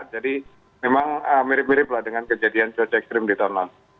jadi memang mirip mirip dengan kejadian cuaca ekstrim di tahun lalu